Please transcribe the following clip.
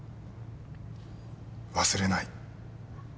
忘れない。